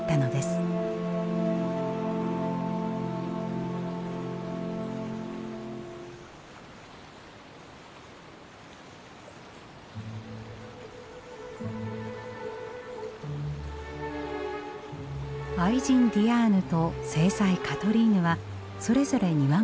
愛人ディアーヌと正妻カトリーヌはそれぞれ庭も作りました。